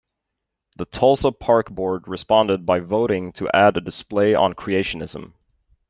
The Tulsa Park Board responded by voting to add a display on Creationism.